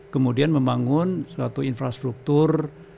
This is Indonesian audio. kemudian membangun suatu infrastruktur